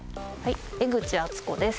はい江口敦子です